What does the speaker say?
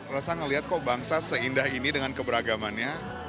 rasa ngeliat kok bangsa seindah ini dengan keberagamannya